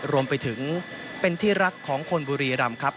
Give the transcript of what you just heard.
รวมไปถึงเป็นที่รักของคนบุรีรำครับ